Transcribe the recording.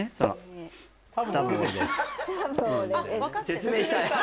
「説明したい」